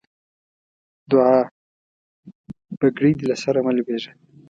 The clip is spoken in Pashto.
دوعا؛ بګړۍ دې له سره مه لوېږه.